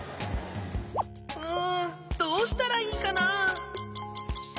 うんどうしたらいいかな？